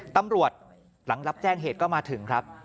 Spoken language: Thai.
ตำรวจหลังรับแจ้งเหตุก็มาถึงครับ